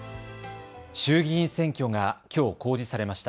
衆議院選挙がきょう公示されました。